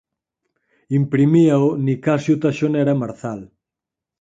Imprimíao Nicasio Taxonera Marzal.